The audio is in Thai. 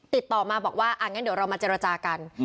ติดต่อมาบอกว่างั้นเดี๋ยวเรามาเจรจากัน